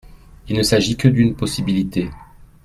Il ne s’agit que d’une possibilité.